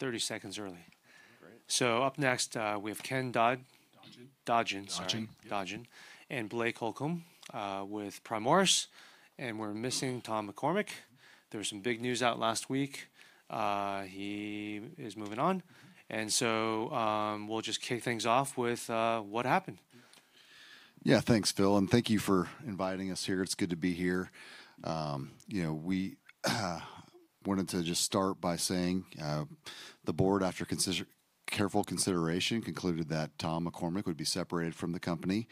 Thirty seconds early. Great. Up next, we have Ken Dodgen. Dodgen. Dodgen. Dodgen. Dodgen. Blake Holcomb with Primoris. We're missing Tom McCormick. There was some big news out last week. He is moving on. We'll just kick things off with what happened. Yeah, thanks, Phil. And thank you for inviting us here. It's good to be here. You know, we wanted to just start by saying, the board, after careful consideration, concluded that Tom McCormick would be separated from the company.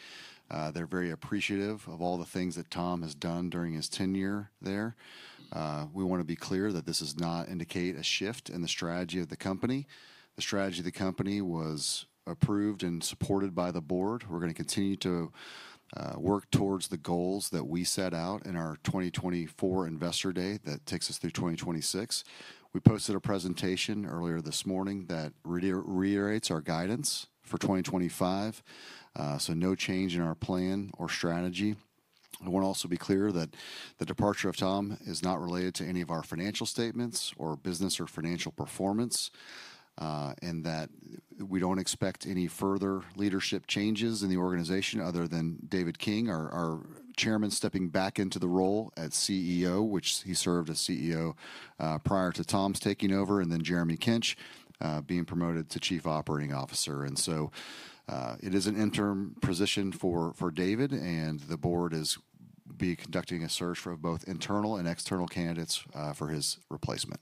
They're very appreciative of all the things that Tom has done during his tenure there. We want to be clear that this does not indicate a shift in the strategy of the company. The strategy of the company was approved and supported by the board. We're going to continue to work towards the goals that we set out in our 2024 Investor Day that takes us through 2026. We posted a presentation earlier this morning that reiterates our guidance for 2025. So no change in our plan or strategy. I want to also be clear that the departure of Tom is not related to any of our financial statements or business or financial performance, and that we do not expect any further leadership changes in the organization other than David King, our chairman, stepping back into the role as CEO, which he served as CEO prior to Tom's taking over, and then Jeremy Kinch being promoted to Chief Operating Officer. It is an interim position for David, and the board is conducting a search for both internal and external candidates for his replacement.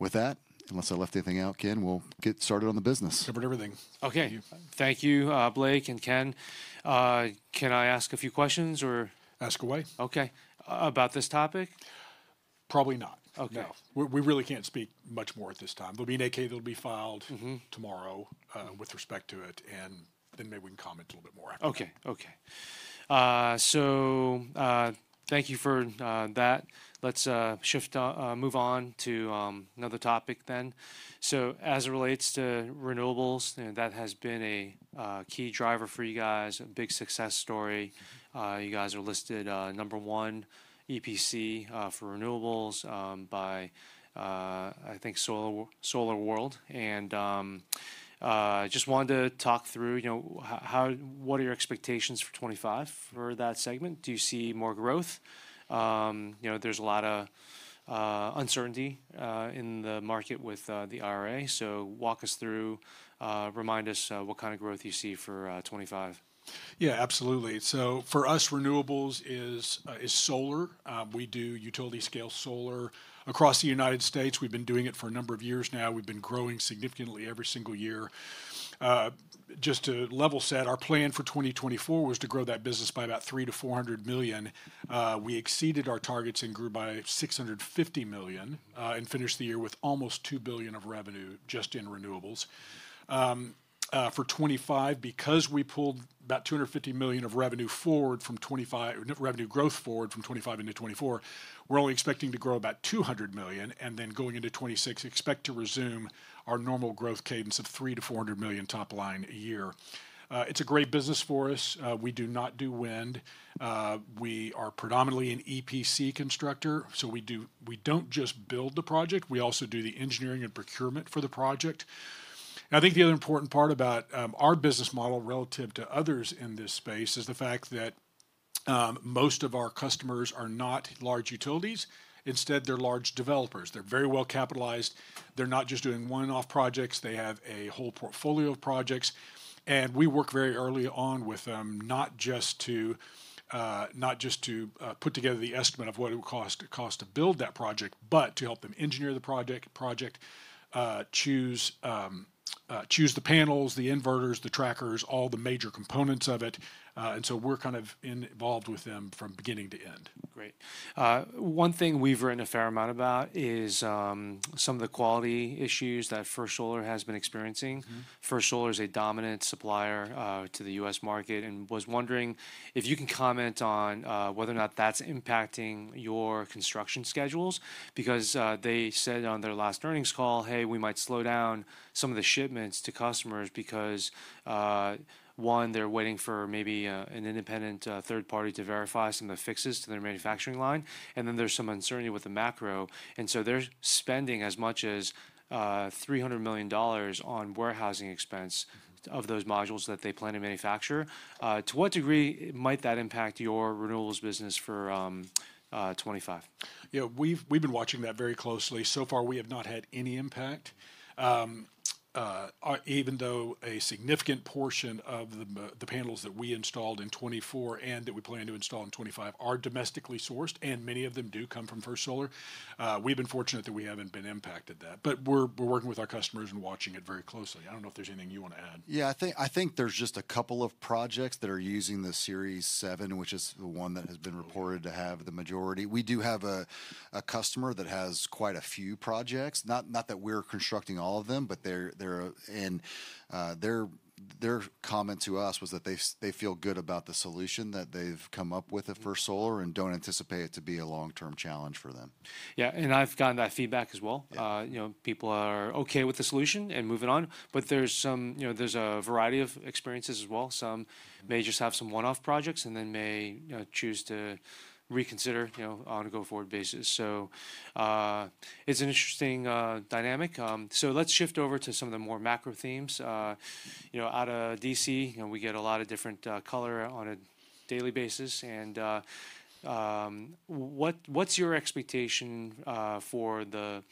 With that, unless I left anything out, Ken, we will get started on the business. Covered everything. Okay. Thank you, Blake and Ken. Can I ask a few questions or? Ask away. Okay. About this topic? Probably not. Okay. No. We really can't speak much more at this time. There'll be an 8-K that'll be filed. Mm-hmm. Tomorrow, with respect to it. Maybe we can comment a little bit more after. Okay. Okay. Thank you for that. Let's shift to move on to another topic then. As it relates to renewables, you know, that has been a key driver for you guys, a big success story. You guys are listed number one EPC for renewables by, I think, Solar Power World. And just wanted to talk through, you know, how, how, what are your expectations for 2025 for that segment? Do you see more growth? You know, there's a lot of uncertainty in the market with the IRA. Walk us through, remind us, what kind of growth you see for 2025. Yeah, absolutely. For us, renewables is solar. We do utility-scale solar across the United States. We've been doing it for a number of years now. We've been growing significantly every single year. Just to level set, our plan for 2024 was to grow that business by about $300 million-$400 million. We exceeded our targets and grew by $650 million, and finished the year with almost $2 billion of revenue just in renewables. For 2025, because we pulled about $250 million of revenue forward from 2025 into 2024, we're only expecting to grow about $200 million. Going into 2026, expect to resume our normal growth cadence of $300 million-$400 million top line a year. It's a great business for us. We do not do wind. We are predominantly an EPC constructor. We do, we don't just build the project. We also do the engineering and procurement for the project. I think the other important part about our business model relative to others in this space is the fact that most of our customers are not large utilities. Instead, they're large developers. They're very well capitalized. They're not just doing one-off projects. They have a whole portfolio of projects. We work very early on with them, not just to put together the estimate of what it would cost to build that project, but to help them engineer the project, choose the panels, the inverters, the trackers, all the major components of it. We are kind of involved with them from beginning to end. Great. One thing we've written a fair amount about is, some of the quality issues that First Solar has been experiencing. First Solar is a dominant supplier to the U.S. market. I was wondering if you can comment on whether or not that's impacting your construction schedules, because they said on their last earnings call, "Hey, we might slow down some of the shipments to customers because, one, they're waiting for maybe an independent, third party to verify some of the fixes to their manufacturing line." There is some uncertainty with the macro. They are spending as much as $300 million on warehousing expense of those modules that they plan to manufacture. To what degree might that impact your renewables business for 2025? Yeah, we've been watching that very closely. So far, we have not had any impact. Even though a significant portion of the panels that we installed in 2024 and that we plan to install in 2025 are domestically sourced, and many of them do come from First Solar, we've been fortunate that we haven't been impacted by that. We're working with our customers and watching it very closely. I don't know if there's anything you want to add. Yeah, I think there's just a couple of projects that are using the Series 7, which is the one that has been reported to have the majority. We do have a customer that has quite a few projects. Not that we're constructing all of them, but their comment to us was that they feel good about the solution that they've come up with at First Solar and don't anticipate it to be a long-term challenge for them. Yeah. And I've gotten that feedback as well. You know, people are okay with the solution and moving on. There's some, you know, there's a variety of experiences as well. Some may just have some one-off projects and then may, you know, choose to reconsider, you know, on a go-forward basis. It's an interesting dynamic. Let's shift over to some of the more macro themes. You know, out of D.C., we get a lot of different color on a daily basis. What is your expectation for the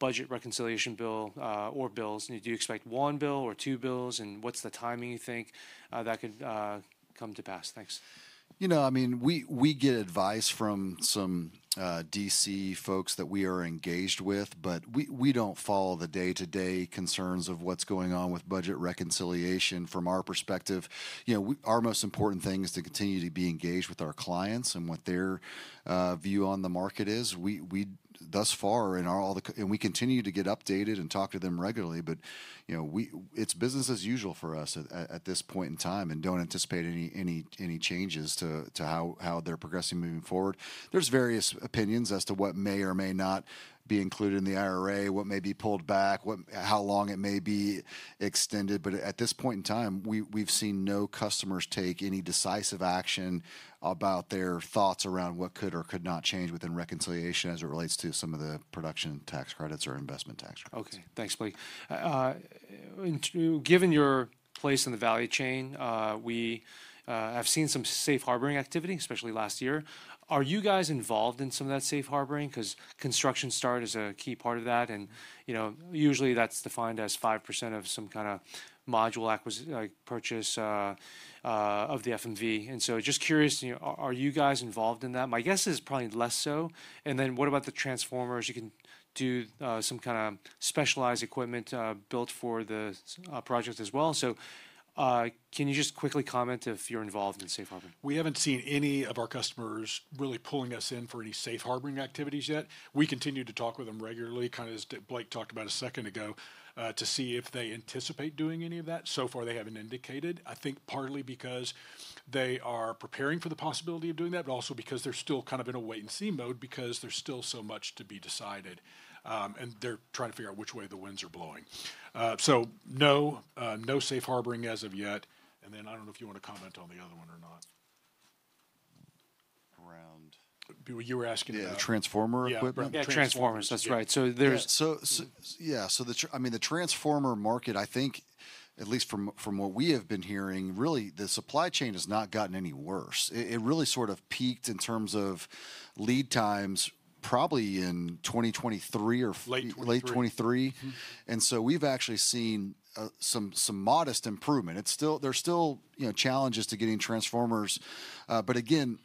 budget reconciliation bill, or bills? Do you expect one bill or two bills? What is the timing you think that could come to pass? Thanks. You know, I mean, we get advice from some D.C. folks that we are engaged with, but we do not follow the day-to-day concerns of what is going on with budget reconciliation from our perspective. You know, our most important thing is to continue to be engaged with our clients and what their view on the market is. We thus far in all the, and we continue to get updated and talk to them regularly. You know, it is business as usual for us at this point in time and do not anticipate any changes to how they are progressing moving forward. There are various opinions as to what may or may not be included in the IRA, what may be pulled back, what, how long it may be extended. At this point in time, we've seen no customers take any decisive action about their thoughts around what could or could not change within reconciliation as it relates to some of the production tax credits or investment tax credits. Okay. Thanks, Blake. Given your place in the value chain, we have seen some safe harboring activity, especially last year. Are you guys involved in some of that safe harboring? 'Cause construction start is a key part of that. And, you know, usually that's defined as 5% of some kind of module acquisition, purchase, of the FMV. And just curious, you know, are you guys involved in that? My guess is probably less so. What about the transformers? You can do some kind of specialized equipment, built for the project as well. Can you just quickly comment if you're involved in safe harboring? We haven't seen any of our customers really pulling us in for any safe harboring activities yet. We continue to talk with them regularly, kind of as Blake talked about a second ago, to see if they anticipate doing any of that. So far, they haven't indicated, I think partly because they are preparing for the possibility of doing that, but also because they're still kind of in a wait-and-see mode because there's still so much to be decided. They are trying to figure out which way the winds are blowing. No, no safe harboring as of yet. I don't know if you want to comment on the other one or not. Around. You were asking about. Yeah, the transformer equipment. Yeah, transformers. That's right. So there's. Yeah. So, yeah. The transformer market, I think, at least from what we have been hearing, really the supply chain has not gotten any worse. It really sort of peaked in terms of lead times probably in 2023 or. Late '23. Late 2023. And so we've actually seen some modest improvement. It's still, there's still, you know, challenges to getting transformers. Again,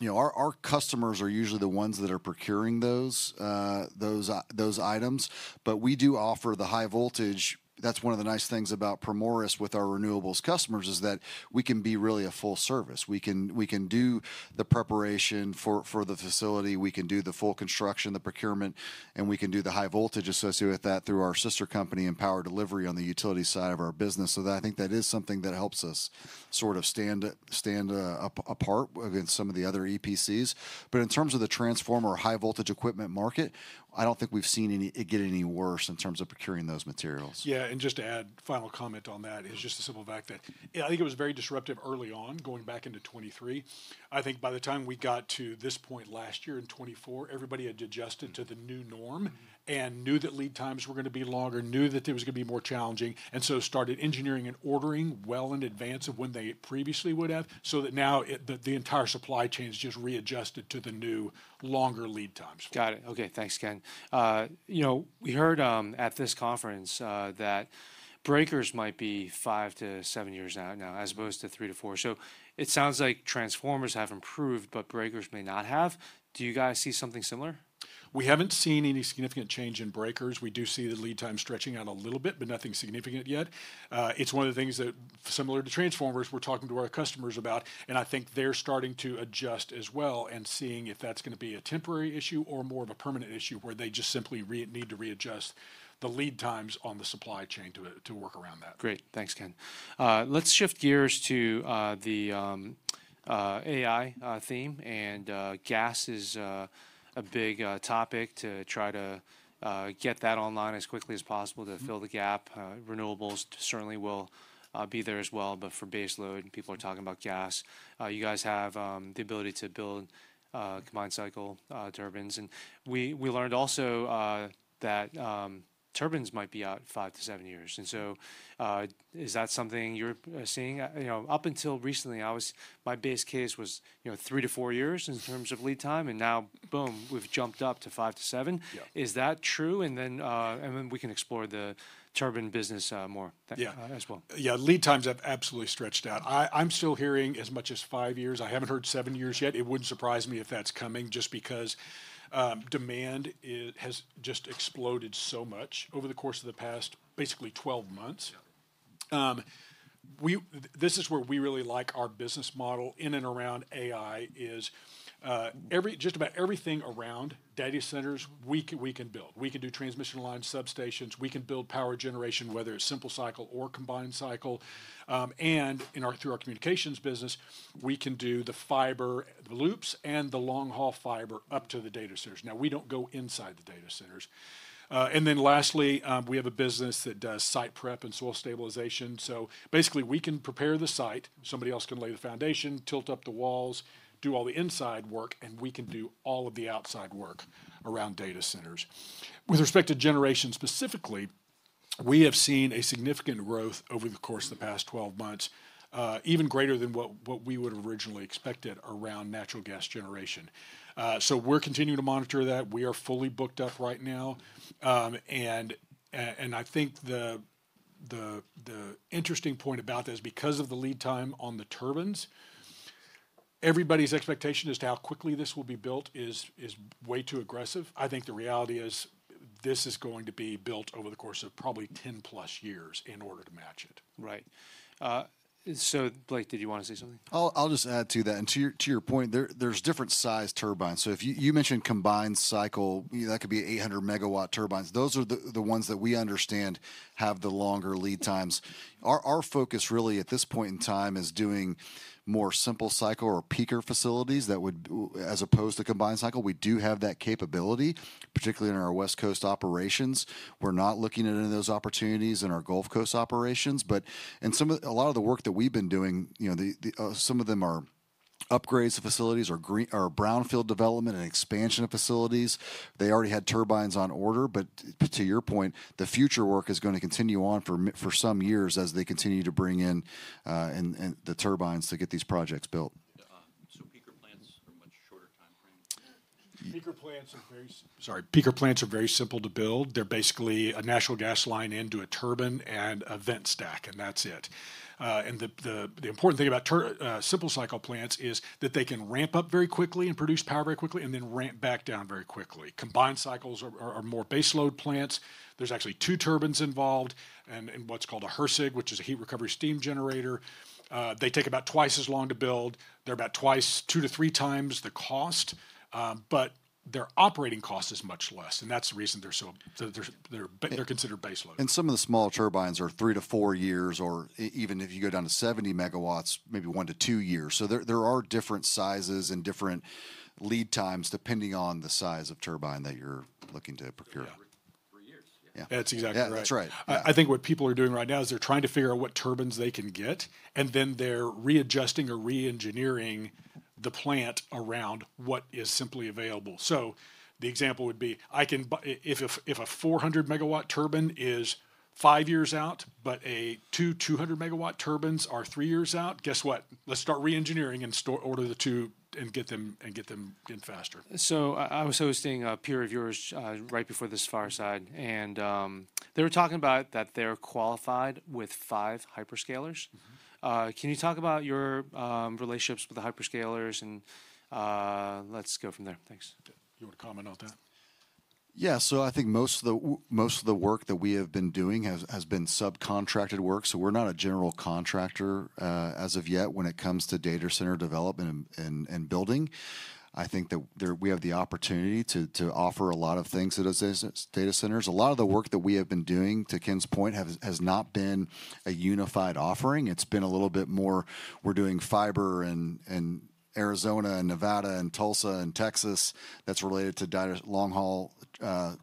you know, our customers are usually the ones that are procuring those items. But we do offer the high voltage. That's one of the nice things about Primoris with our renewables customers is that we can be really a full service. We can do the preparation for the facility. We can do the full construction, the procurement, and we can do the high voltage associated with that through our sister company and power delivery on the utility side of our business. I think that is something that helps us sort of stand apart against some of the other EPCs. In terms of the transformer or high voltage equipment market, I don't think we've seen any get any worse in terms of procuring those materials. Yeah. Just to add, final comment on that is just the simple fact that, you know, I think it was very disruptive early on going back into 2023. I think by the time we got to this point last year in 2024, everybody had adjusted to the new norm and knew that lead times were going to be longer, knew that it was going to be more challenging. You know, started engineering and ordering well in advance of when they previously would have. Now the entire supply chain is just readjusted to the new longer lead times. Got it. Okay. Thanks, Ken. You know, we heard at this conference that breakers might be five to seven years out now as opposed to three to four. It sounds like transformers have improved, but breakers may not have. Do you guys see something similar? We haven't seen any significant change in breakers. We do see the lead time stretching out a little bit, but nothing significant yet. It is one of the things that, similar to transformers, we're talking to our customers about. I think they're starting to adjust as well and seeing if that's going to be a temporary issue or more of a permanent issue where they just simply need to readjust the lead times on the supply chain to work around that. Great. Thanks, Ken. Let's shift gears to the AI theme. And gas is a big topic to try to get that online as quickly as possible to fill the gap. Renewables certainly will be there as well. But for base load, people are talking about gas. You guys have the ability to build combined cycle turbines. And we learned also that turbines might be out five to seven years. Is that something you're seeing? You know, up until recently, I was, my base case was, you know, three to four years in terms of lead time. And now, boom, we've jumped up to five to seven. Is that true? And then we can explore the turbine business more as well. Yeah. Yeah. Lead times have absolutely stretched out. I'm still hearing as much as five years. I haven't heard seven years yet. It wouldn't surprise me if that's coming just because demand has just exploded so much over the course of the past basically 12 months. We, this is where we really like our business model in and around AI is, every, just about everything around data centers, we can, we can build. We can do transmission line substations. We can build power generation, whether it's simple cycle or combined cycle. In our, through our communications business, we can do the fiber, the loops, and the long-haul fiber up to the data centers. Now, we don't go inside the data centers. Lastly, we have a business that does site prep and soil stabilization. Basically, we can prepare the site. Somebody else can lay the foundation, tilt up the walls, do all the inside work, and we can do all of the outside work around data centers. With respect to generation specifically, we have seen a significant growth over the course of the past 12 months, even greater than what we would have originally expected around natural gas generation. We are continuing to monitor that. We are fully booked up right now. I think the interesting point about that is because of the lead time on the turbines, everybody's expectation as to how quickly this will be built is way too aggressive. I think the reality is this is going to be built over the course of probably 10 plus years in order to match it. Right. So Blake, did you want to say something? I'll just add to that. And to your point, there are different size turbines. So if you mentioned combined cycle, that could be 800 Megawatt turbines. Those are the ones that we understand have the longer lead times. Our focus really at this point in time is doing more simple cycle or peaker facilities that would, as opposed to combined cycle. We do have that capability, particularly in our West Coast operations. We're not looking at any of those opportunities in our Gulf Coast operations. In some of, a lot of the work that we've been doing, you know, some of them are upgrades of facilities or green, or brownfield development and expansion of facilities. They already had turbines on order. To your point, the future work is going to continue on for some years as they continue to bring in the turbines to get these projects built. Peaker plants are much shorter timeframe. Peaker plants are very simple to build. They're basically a natural gas line into a turbine and a vent stack, and that's it. The important thing about simple cycle plants is that they can ramp up very quickly and produce power very quickly and then ramp back down very quickly. Combined cycles are more base load plants. There's actually two turbines involved and what's called a HRSG, which is a heat recovery steam generator. They take about twice as long to build. They're about two to three times the cost, but their operating cost is much less. That's the reason they're considered base load. Some of the small turbines are three to four years, or even if you go down to 70 Megawatts, maybe one to two years. There are different sizes and different lead times depending on the size of turbine that you're looking to procure. Three years. Yeah. Yeah. That's exactly right. That's right. I think what people are doing right now is they're trying to figure out what turbines they can get, and then they're readjusting or re-engineering the plant around what is simply available. The example would be, if a 400 Megawatt turbine is five years out, but two 200 Megawatt turbines are three years out, guess what? Let's start re-engineering and start order the two and get them and get them in faster. I was hosting a peer of yours right before this fireside, and they were talking about that they're qualified with five hyperscalers. Can you talk about your relationships with the hyperscalers? Let's go from there. Thanks. You want to comment on that? Yeah. I think most of the work that we have been doing has been subcontracted work. We are not a general contractor, as of yet, when it comes to data center development and building. I think that there, we have the opportunity to offer a lot of things at those data centers. A lot of the work that we have been doing, to Ken's point, has not been a unified offering. It has been a little bit more, we are doing fiber in Arizona and Nevada and Tulsa and Texas that is related to data long-haul,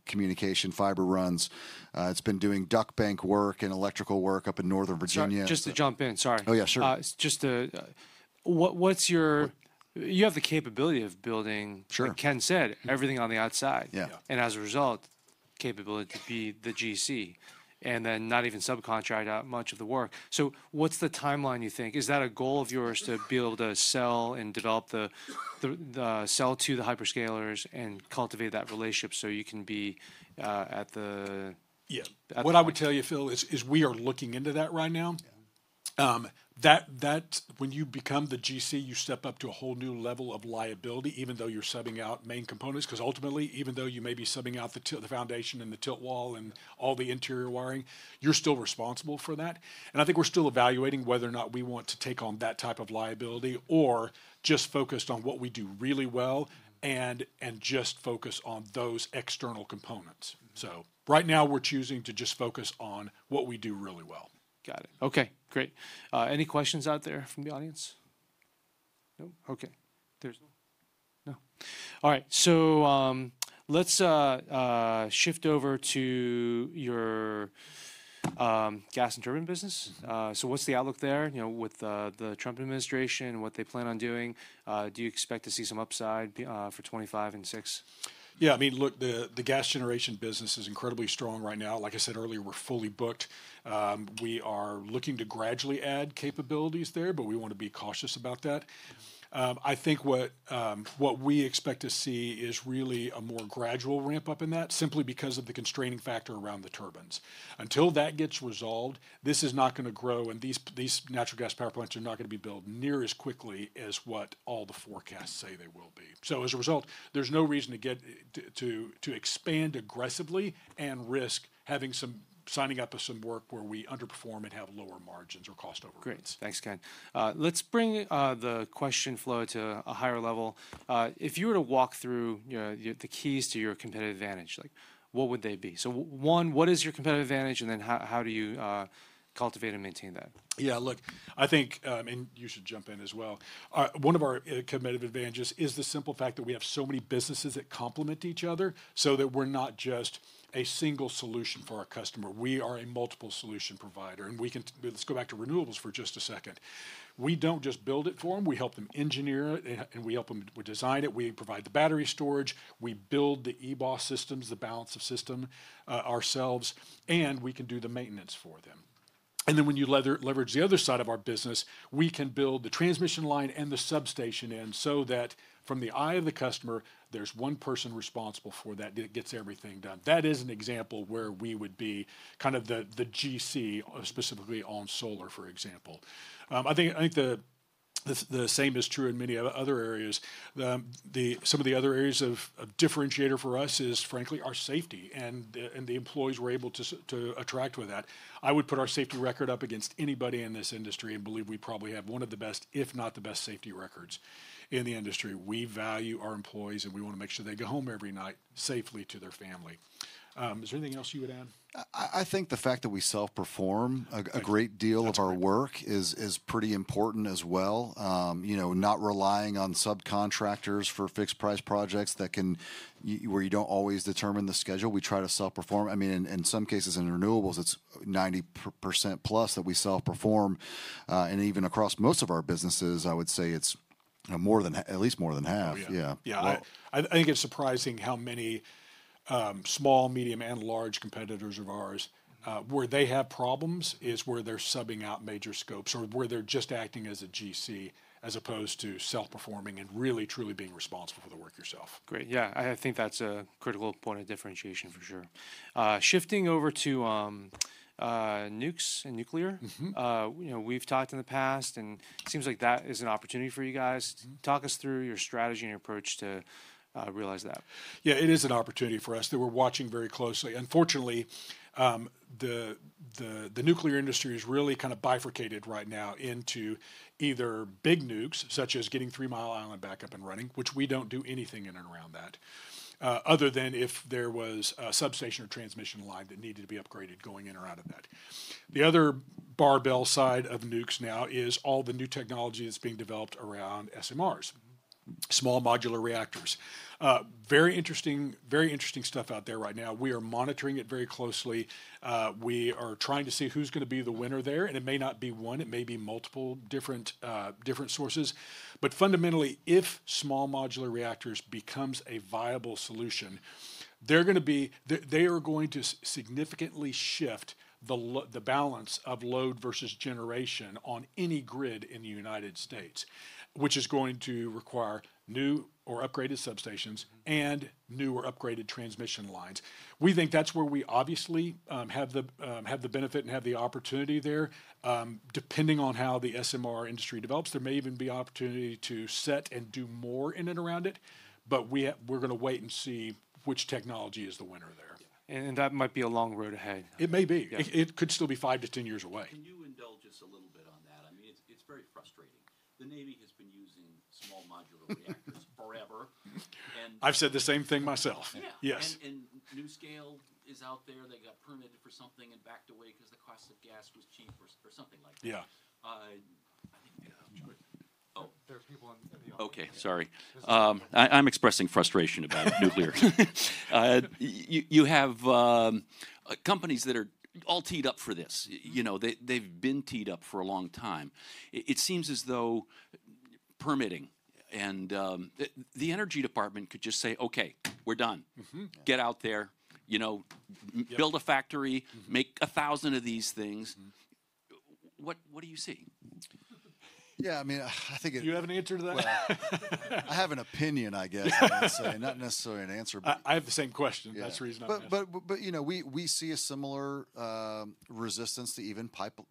communication fiber runs. It has been doing duct bank work and electrical work up in Northern Virginia. Just to jump in, sorry. Oh, yeah, sure. Just to, what, what's your, you have the capability of building. Sure. Ken said everything on the outside. Yeah. As a result, capability to be the GC and then not even subcontract out much of the work. What's the timeline you think? Is that a goal of yours to be able to sell and develop the, the, sell to the hyperscalers and cultivate that relationship so you can be, at the. Yeah. What I would tell you, Phil, is we are looking into that right now. When you become the GC, you step up to a whole new level of liability, even though you're subbing out main components. 'Cause ultimately, even though you may be subbing out the tilt, the foundation and the tilt wall and all the interior wiring, you're still responsible for that. I think we're still evaluating whether or not we want to take on that type of liability or just focus on what we do really well and just focus on those external components. Right now we're choosing to just focus on what we do really well. Got it. Okay. Great. Any questions out there from the audience? No? Okay. There's no. All right. Let's shift over to your gas and turbine business. What's the outlook there, you know, with the Trump administration and what they plan on doing? Do you expect to see some upside for 2025 and 2026? Yeah. I mean, look, the gas generation business is incredibly strong right now. Like I said earlier, we're fully booked. We are looking to gradually add capabilities there, but we want to be cautious about that. I think what we expect to see is really a more gradual ramp up in that simply because of the constraining factor around the turbines. Until that gets resolved, this is not going to grow and these natural gas power plants are not going to be built near as quickly as what all the forecasts say they will be. As a result, there's no reason to expand aggressively and risk having some signing up of some work where we underperform and have lower margins or cost over. Great. Thanks, Ken. Let's bring the question flow to a higher level. If you were to walk through, you know, the keys to your competitive advantage, like what would they be? One, what is your competitive advantage? How do you cultivate and maintain that? Yeah. Look, I think, and you should jump in as well. One of our competitive advantages is the simple fact that we have so many businesses that complement each other so that we're not just a single solution for our customer. We are a multiple solution provider. We can, let's go back to renewables for just a second. We don't just build it for them. We help them engineer it and we help them design it. We provide the battery storage. We build the EBOS systems, the balance of system, ourselves, and we can do the maintenance for them. When you leverage the other side of our business, we can build the transmission line and the substation in so that from the eye of the customer, there's one person responsible for that that gets everything done. That is an example where we would be kind of the GC specifically on solar, for example. I think the same is true in many other areas. Some of the other areas of differentiator for us is frankly our safety and the employees we're able to attract with that. I would put our safety record up against anybody in this industry and believe we probably have one of the best, if not the best safety records in the industry. We value our employees and we want to make sure they go home every night safely to their family. Is there anything else you would add? I think the fact that we self-perform a great deal of our work is pretty important as well. You know, not relying on subcontractors for fixed price projects that can, where you do not always determine the schedule. We try to self-perform. I mean, in some cases in renewables, it is 90% plus that we self-perform. And even across most of our businesses, I would say it is more than, at least more than half. Yeah. Yeah. I think it's surprising how many small, medium, and large competitors of ours, where they have problems is where they're subbing out major scopes or where they're just acting as a GC as opposed to self-performing and really, truly being responsible for the work yourself. Great. Yeah. I think that's a critical point of differentiation for sure. Shifting over to nukes and nuclear, you know, we've talked in the past and it seems like that is an opportunity for you guys. Talk us through your strategy and your approach to realize that. Yeah. It is an opportunity for us that we're watching very closely. Unfortunately, the nuclear industry is really kind of bifurcated right now into either big nukes, such as getting Three Mile Island back up and running, which we don't do anything in and around that, other than if there was a substation or transmission line that needed to be upgraded going in or out of that. The other barbell side of nukes now is all the new technology that's being developed around SMRs, small modular reactors. Very interesting, very interesting stuff out there right now. We are monitoring it very closely. We are trying to see who's going to be the winner there. It may not be one, it may be multiple different, different sources. Fundamentally, if small modular reactors become a viable solution, they are going to significantly shift the balance of load versus generation on any grid in the United States, which is going to require new or upgraded substations and new or upgraded transmission lines. We think that is where we obviously have the benefit and have the opportunity there. Depending on how the SMR industry develops, there may even be opportunity to set and do more in and around it. We are going to wait and see which technology is the winner there. That might be a long road ahead. It may be. It could still be five to ten years away. Can you indulge us a little bit on that? I mean, it's, it's very frustrating. The Navy has been using small modular reactors forever. I've said the same thing myself. Yeah. Yes. NuScale is out there. They got permitted for something and backed away because the cost of gas was cheap or something like that. Yeah. I think. Oh, there's people in the audience. Okay. Sorry. I'm expressing frustration about nuclear. You have companies that are all teed up for this. You know, they've been teed up for a long time. It seems as though permitting and the energy department could just say, okay, we're done. Get out there, you know, build a factory, make a thousand of these things. What do you see? Yeah. I mean, I think. Do you have an answer to that? I have an opinion, I guess I would say, not necessarily an answer. I have the same question. That's reasonable. You know, we see a similar resistance to even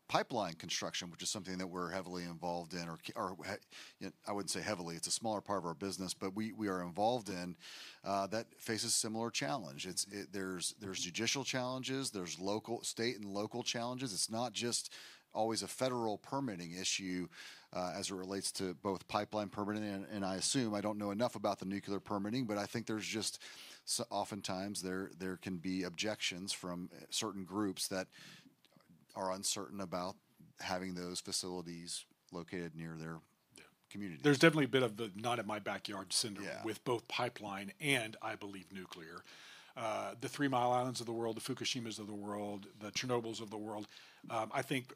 pipeline construction, which is something that we're heavily involved in, or, I wouldn't say heavily. It's a smaller part of our business, but we are involved in that. That faces similar challenge. There's judicial challenges, there's state and local challenges. It's not just always a federal permitting issue, as it relates to both pipeline permitting. I assume, I don't know enough about the nuclear permitting, but I think there's just oftentimes there can be objections from certain groups that are uncertain about having those facilities located near their community. There's definitely a bit of the not in my backyard syndrome with both pipeline and I believe nuclear. The Three Mile Islands of the world, the Fukushimas of the world, the Chernobyls of the world, I think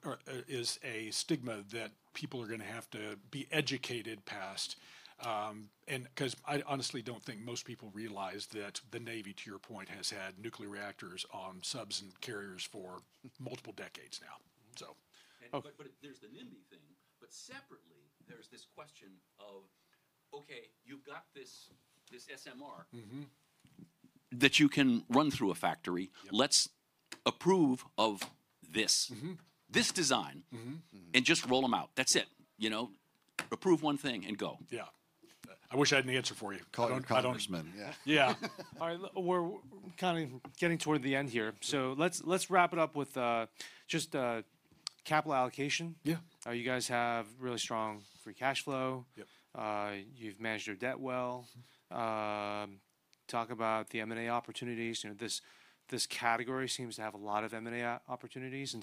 is a stigma that people are going to have to be educated past. I honestly don't think most people realize that the Navy, to your point, has had nuclear reactors on subs and carriers for multiple decades now. There's the NIMBY thing, but separately, there's this question of, okay, you've got this, this SMR. Mm-hmm. That you can run through a factory. Let's approve of this, this design and just roll them out. That's it. You know, approve one thing and go. Yeah. I wish I had an answer for you. Call it congressman. Yeah. Yeah. All right. We're kind of getting toward the end here. Let's wrap it up with just capital allocation. Yeah. You guys have really strong free cash flow. Yep. You've managed your debt well. Talk about the M&A opportunities. You know, this category seems to have a lot of M&A opportunities.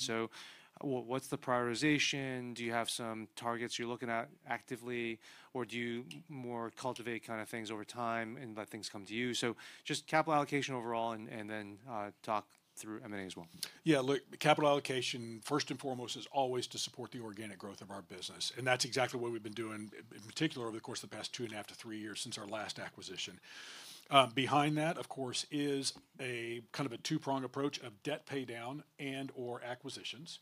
What's the prioritization? Do you have some targets you're looking at actively or do you more cultivate kind of things over time and let things come to you? Just capital allocation overall, and then talk through M&A as well. Yeah. Look, capital allocation first and foremost is always to support the organic growth of our business. That is exactly what we have been doing in particular over the course of the past two and a half to three years since our last acquisition. Behind that, of course, is a kind of a two-prong approach of debt pay down and/or acquisitions.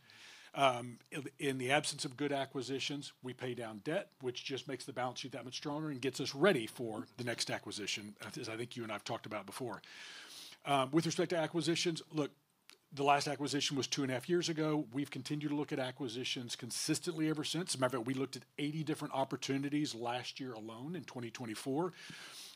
In the absence of good acquisitions, we pay down debt, which just makes the balance sheet that much stronger and gets us ready for the next acquisition, as I think you and I have talked about before. With respect to acquisitions, look, the last acquisition was two and a half years ago. We have continued to look at acquisitions consistently ever since. As a matter of fact, we looked at 80 different opportunities last year alone in 2024,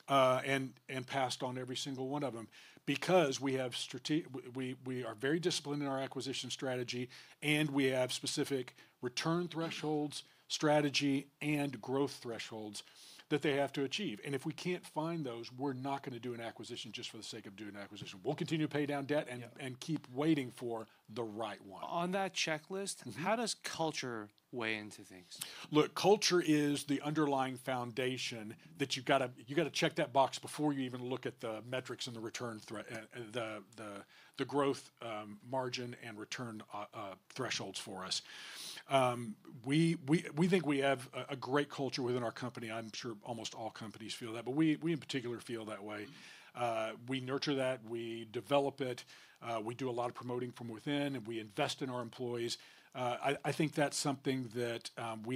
and passed on every single one of them because we have strategy, we are very disciplined in our acquisition strategy and we have specific return thresholds, strategy, and growth thresholds that they have to achieve. If we can't find those, we're not going to do an acquisition just for the sake of doing an acquisition. We'll continue to pay down debt and keep waiting for the right one. On that checklist, how does culture weigh into things? Look, culture is the underlying foundation that you've got to check that box before you even look at the metrics and the return threat, the growth, margin and return thresholds for us. We think we have a great culture within our company. I'm sure almost all companies feel that, but we in particular feel that way. We nurture that, we develop it, we do a lot of promoting from within and we invest in our employees. I think that's something that we.